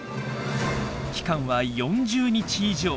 期間は４０日以上。